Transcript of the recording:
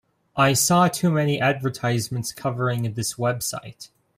I saw too many advertisements covering this website.